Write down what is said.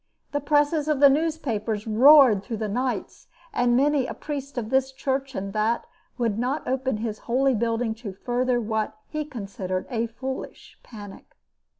The presses of the newspapers roared through the nights, and many a priest of this church and that would not open his holy building to further what he considered a foolish panic.